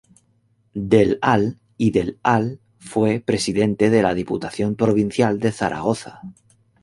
Del al y del al fue Presidente de la Diputación Provincial de Zaragoza.